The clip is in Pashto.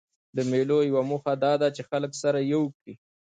د مېلو یوه موخه دا ده، چي خلک سره یو کي.